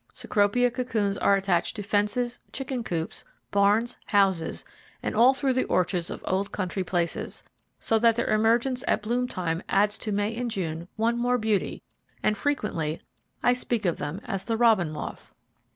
Cecropia cocoons are attached to fences, chicken coops, barns, houses, and all through the orchards of old country places, so that their emergence at bloom time adds to May and June one more beauty, and frequently I speak of them as the Robin Moth.